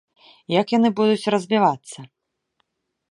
Як яны будуць развівацца?